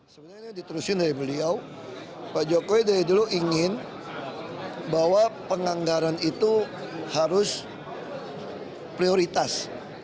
sebenarnya diterusin dari beliau pak jokowi dari dulu ingin bahwa penganggaran itu harus prioritas